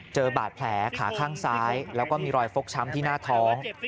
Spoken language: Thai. เจอบาดแผลขาข้างซ้ายแล้วก็มีรอยฟกช้ำที่หน้าท้อง